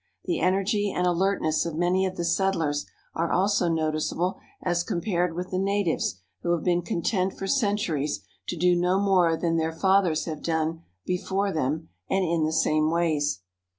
The energy and alertness of many of the settlers are also noticeable as compared with the natives who have been content for centuries to do no more than their fathers have done before them and in the same ways.